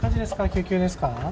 救急ですか？